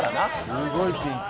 すごいピンク。